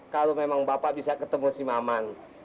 kalau memang bapak bisa ketemu si maman